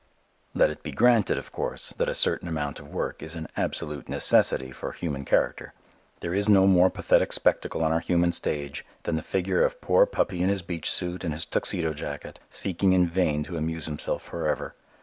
Let it be granted, of course, that a certain amount of work is an absolute necessity for human character. There is no more pathetic spectacle on our human stage than the figure of poor puppy in his beach suit and his tuxedo jacket seeking in vain to amuse himself for ever.